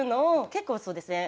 結構そうですね